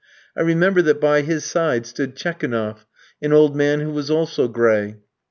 I remember that by his side stood Tchekounoff, an old man who was also gray.